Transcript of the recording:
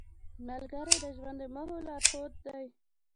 ملګری د ژوند د موخو لارښود دی